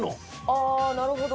ああなるほど。